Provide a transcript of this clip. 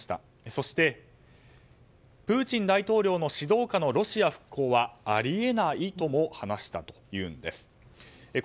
そしてプーチン大統領の指導下のロシア復興はあり得ないとも話したというんです。